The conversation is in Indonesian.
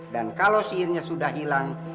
dan kalau sihirnya sudah hilang